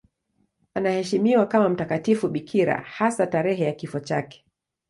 Anaheshimiwa kama mtakatifu bikira, hasa tarehe ya kifo chake.